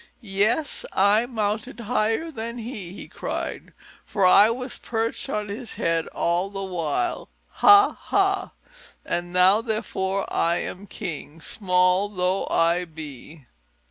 "Yes, I mounted higher than he," he cried, "for I was perched on his head all the while, ha ha! And now, therefore, I am king, small though I be."